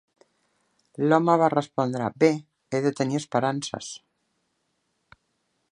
L'home va respondre "Bé, he de tenir esperances".